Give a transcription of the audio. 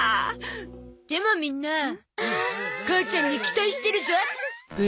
でもみんな母ちゃんに期待してるゾ。